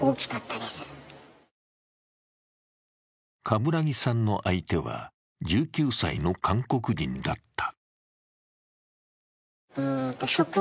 冠木さんの相手は、１９歳の韓国人だった。